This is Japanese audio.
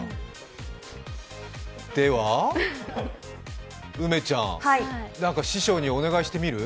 では梅ちゃん、何か師匠にお願いしてみる？